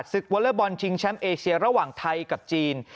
วอเลอร์บอลชิงแชมป์เอเชียระหว่างไทยกับจีน